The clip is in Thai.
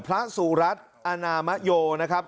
พระสุรัตน์อนามโยนะครับ